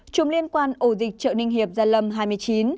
một chùm liên quan ổ dịch trợ ninh hiệp gia lâm hai mươi chín